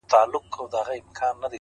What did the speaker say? د يوسفي ښکلا له هر نظره نور را اوري-